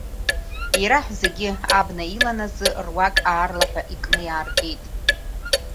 Ирахә зегьы абна илан азы руак аарлаҳәа икны иааргеит.